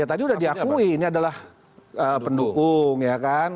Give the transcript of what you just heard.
ya tadi sudah diakui ini adalah pendukung ya kan